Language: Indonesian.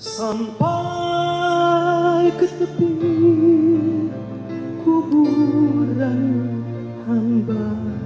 sampai ke tepi kuburan hamba